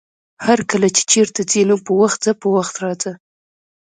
هرکله چې چېرته ځې نو په وخت ځه، په وخت راځه!